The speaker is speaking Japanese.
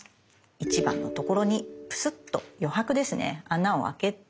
１番のところにプスッと余白ですね穴をあけて。